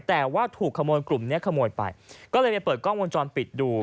แต่ว่าถูกขโมยกลุ่มเนี้ยขโมยไปก็เลยไปเปิดกล้องวงจรปิดดู